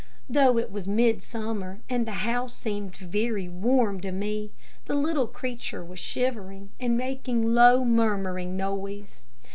Though it was midsummer, and the house seemed very warm to me, the little creature was shivering, and making a low murmuring noise.